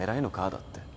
だって。